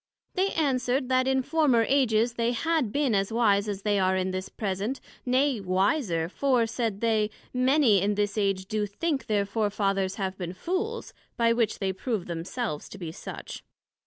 They answered, That in former Ages they had been as wise as they are in this present, nay, wiser; for, said they, many in this age do think their Fore fathers have been Fools, by which they prove themselves to be such.